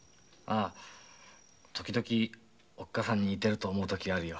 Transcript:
時々おっ母さんに似てると思う時あるよ。